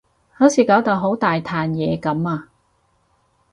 好似搞到好大壇嘢噉啊